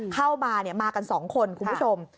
เข้ามามากัน๒คนคุณผู้ชม